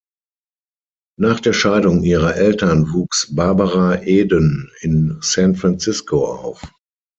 Nach der Scheidung ihrer Eltern wuchs Barbara Eden in San Francisco auf.